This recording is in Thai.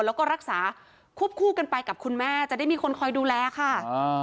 แล้วก็รักษาควบคู่กันไปกับคุณแม่จะได้มีคนคอยดูแลค่ะอ่า